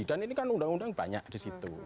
dan ini kan undang undang banyak di situ